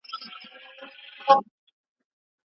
خو نیک نوم او شتمني دواړه نور هم ښه دي.